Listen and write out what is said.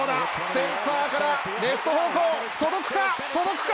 センターから、レフト方向へ、届くか、届くか？